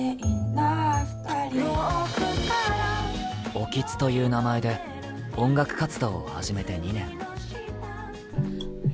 オキツという名前で、音楽活動を始めて２年。